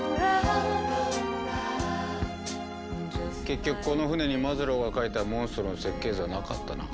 結局この船にマズローが描いたモンストロの設計図はなかったな。